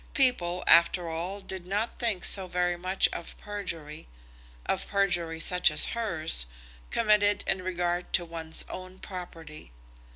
People, after all, did not think so very much of perjury, of perjury such as hers, committed in regard to one's own property.